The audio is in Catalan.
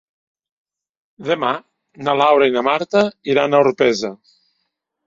Demà na Laura i na Marta iran a Orpesa.